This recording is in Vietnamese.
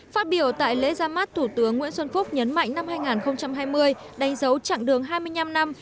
phát biểu tại lễ ra mắt thủ tướng nguyễn xuân phúc nhấn mạnh năm hai nghìn hai mươi đánh dấu chặng đường hai mươi năm năm